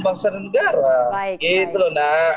bangsa dan negara gitu loh nak